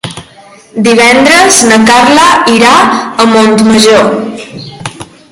Divendres na Carla irà a Montmajor.